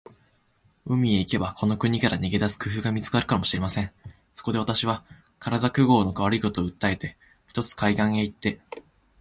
海へ行けば、この国から逃げ出す工夫が見つかるかもしれません。そこで、私は身体工合の悪いことを訴えて、ひとつ海岸へ行って